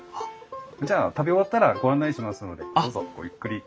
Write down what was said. じゃあ食べ終わったらご案内しますのでどうぞごゆっくり。